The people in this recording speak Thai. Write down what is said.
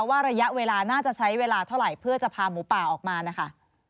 ระยะเวลาน่าจะใช้เวลาเท่าไหร่เพื่อจะพาหมูป่าออกมานะคะ